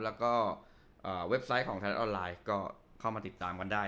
แล้วก็เว็บไซต์ของไทยรัฐออนไลน์ก็เข้ามาติดตามกันได้